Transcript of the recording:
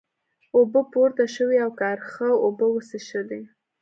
اوبه پورته شوې او کارغه اوبه وڅښلې.